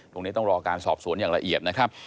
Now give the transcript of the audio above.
ต้องรอการสอบสวนอย่างละเอียดนะครับ